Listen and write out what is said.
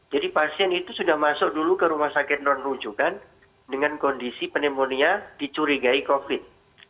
jadi pasien itu sudah masuk dulu ke rumah sakit non rujukan dengan kondisi pneumonia dicurigai covid